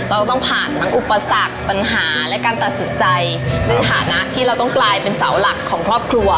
เราต้องผ่านทั้งอุปสรรคปัญหาและการตัดสินใจในฐานะที่เราต้องกลายเป็นเสาหลักของครอบครัว